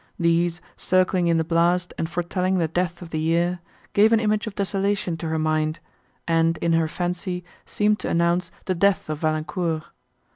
These, circling in the blast and foretelling the death of the year, gave an image of desolation to her mind, and, in her fancy, seemed to announce the death of Valancourt.